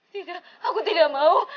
tidak aku tidak mau